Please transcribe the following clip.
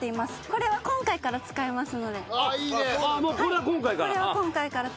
これは今回から使えます。